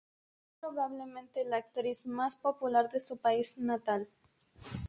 Es probablemente la actriz más popular de su país natal.